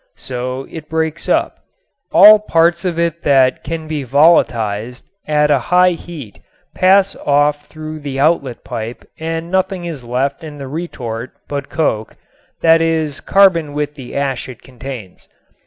So it breaks up. All parts of it that can be volatized at a high heat pass off through the outlet pipe and nothing is left in the retort but coke, that is carbon with the ash it contains.